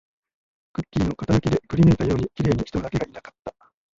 クッキーの型抜きでくりぬいたように、綺麗に人だけがいなかった